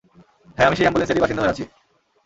হ্যাঁ, আমি সেই অ্যাম্বুলেন্সেরই বাসিন্দা হয়ে আছি।